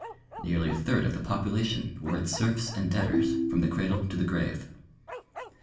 Nearly a third of the population of the world were its serfs and debtors from the cradle to the grave.